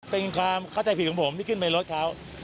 เป็นความเข้าใจผิดของผมที่ขึ้นไปรถเขา